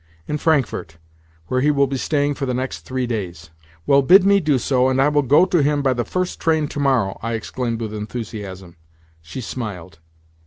"In Frankfort, where he will be staying for the next three days." "Well, bid me do so, and I will go to him by the first train tomorrow," I exclaimed with enthusiasm. She smiled.